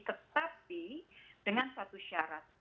tetapi dengan satu syarat